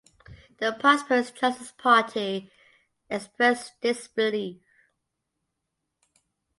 The Prosperous Justice Party expressed "disbelief".